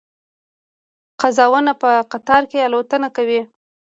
قازونه په قطار کې الوتنه کوي